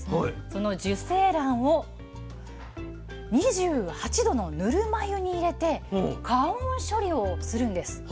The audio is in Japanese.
その受精卵を２８℃のぬるま湯に入れて加温処理をするんです。